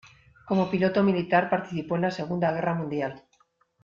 Como piloto militar participó en la segunda guerra mundial.